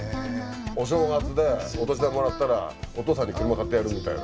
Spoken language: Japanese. お正月でお年玉もらったらお父さんに車買ってやるみたいな。